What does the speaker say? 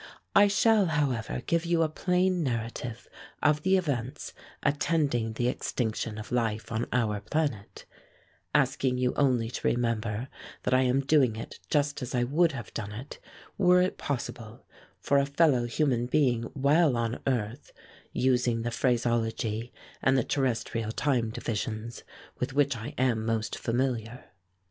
I shall, however, give you a plain narrative of the events attending the extinction of life on our planet, asking you only to remember that I am doing it just as I would have done it, were it possible, for a fellow human being while on earth, using the phraseology and the terrestrial time divisions with which I am most familiar.